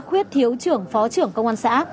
khuyết thiếu trưởng phó trưởng công an xã